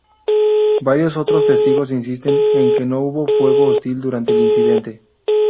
Varios otros testigos insisten en que no hubo fuego hostil durante el incidente.